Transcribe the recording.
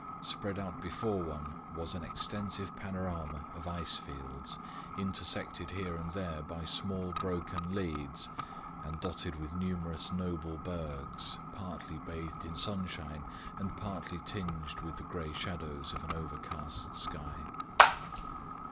Spread out before one was an extensive panorama of ice fields, intersected here and there by small broken leads, and dotted with numerous noble bergs, partly bathed in sunshine and partly tinged with the grey shadows of an overcast sky.